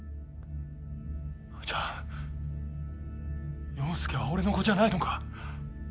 じゃあ洋介は俺の子じゃないのか！？